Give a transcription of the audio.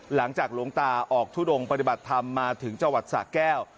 หลังจากหลวงตาออกทุดงปฏิบัติธรรมมาถึงจังหวัดสะแก้ว